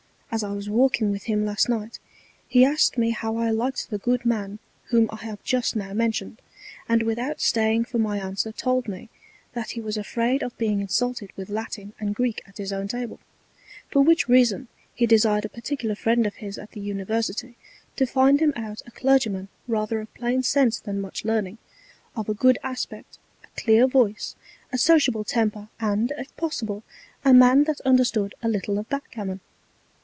As I was walking with him last Night, he asked me how I liked the good Man whom I have just now mentioned? and without staying for my Answer told me, That he was afraid of being insulted with Latin and Greek at his own Table; for which Reason he desired a particular Friend of his at the University to find him out a Clergyman rather of plain Sense than much Learning, of a good Aspect, a clear Voice, a sociable Temper, and, if possible, a Man that understood a little of Back Gammon.